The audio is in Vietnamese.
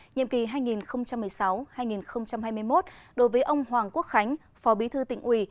nhiệm kỳ hai nghìn một mươi sáu hai nghìn hai mươi một đối với ông hoàng quốc khánh phó bí thư tỉnh ủy